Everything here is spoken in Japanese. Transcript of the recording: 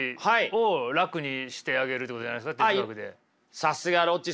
さすがロッチさん。